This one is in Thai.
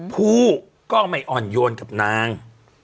ผู้ก็ไม่อ่อนโยนกับนาง